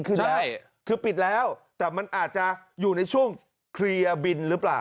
คือแรกคือปิดแล้วแต่มันอาจจะอยู่ในช่วงเคลียร์บินหรือเปล่า